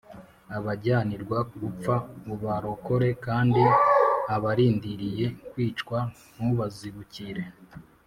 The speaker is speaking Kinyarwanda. abajyanirwa gupfa ubarokore, kandi abarindiriye kwicwa ntubazibukire